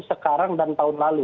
sekarang dan tahun lalu